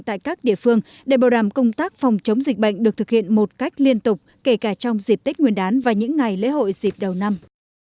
tại các địa phương để bảo đảm công tác phòng chống dịch bệnh được thực hiện một cách liên tục kể cả trong dịp tết nguyên đán và những ngày lễ hội dịp đầu năm